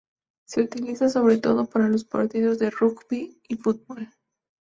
Se utiliza sobre todo para los partidos de rugby y fútbol.